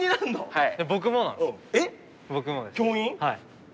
はい。